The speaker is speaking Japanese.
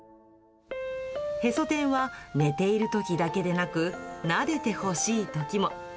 へそ天は寝ているときだけでなく、なでてほしいときも。